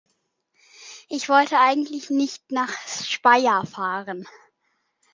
Ich wollte eigentlich nicht nach Speyer fahren